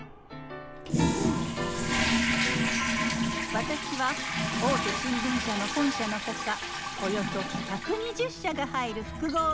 私は大手新聞社の本社のほかおよそ１２０社が入る複合ビル。